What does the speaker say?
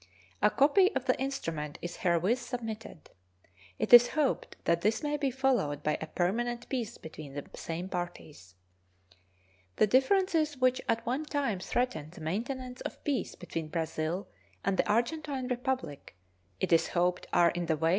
A copy of the instrument is herewith submitted. It is hoped that this may be followed by a permanent peace between the same parties. The differences which at one time threatened the maintenance of peace between Brazil and the Argentine Republic it is hoped are in the way of satisfactory adjustment.